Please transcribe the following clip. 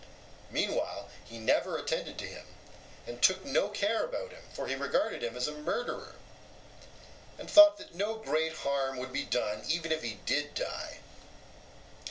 Meanwhile he never attended to him and took no care about him, for he regarded him as a murderer; and thought that no great harm would be done even if he did die.